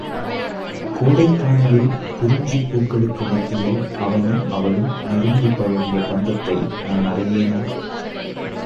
கோடைக்கானலில் குறிஞ்சிப் பூக்களுக்கு மத்தியில் அவனும் அவளும் நெருங்கிப் பழகிய பந்தத்தை நான் அறியேனோ?